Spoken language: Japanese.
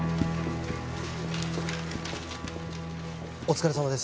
お疲れさまです